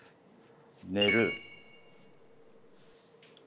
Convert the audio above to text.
寝る。